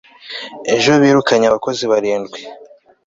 ejo birukanye abakozi barindwi